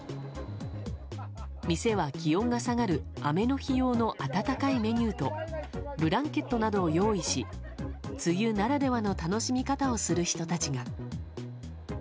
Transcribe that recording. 店は気温が下がる雨の日用の温かいメニューとブランケットなどを用意し梅雨ならではの楽しみ方をする人たちが。